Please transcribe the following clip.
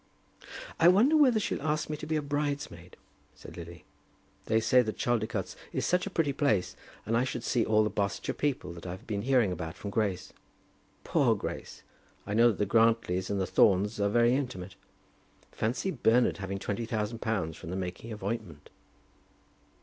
"I wonder whether she'll ask me to be a bridesmaid?" said Lily. "They say that Chaldicotes is such a pretty place, and I should see all the Barsetshire people that I've been hearing about from Grace. Poor Grace! I know that the Grantlys and the Thornes are very intimate. Fancy Bernard having twenty thousand pounds from the making of ointment!"